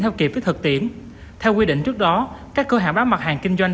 theo kịp với thực tiễn theo quy định trước đó các cửa hàng bán mặt hàng kinh doanh